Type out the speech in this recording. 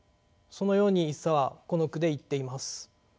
そのように一茶はこの句で言っています。